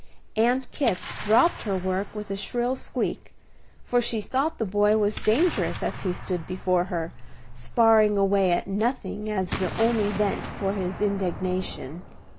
Aunt Kipp dropped her work with a shrill squeak, for she thought the boy was dangerous, as he stood before her, sparring away at nothing as the only vent for his indignation.